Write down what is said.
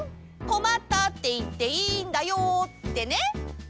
「こまった」っていっていいんだよってね。